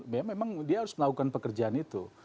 memang dia harus melakukan pekerjaan itu